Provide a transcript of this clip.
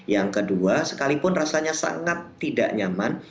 yang kedua sekalipun rasanya sangat tidak nyaman